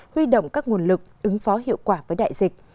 huy động các nguồn lực ứng phó hiệu quả với đại dịch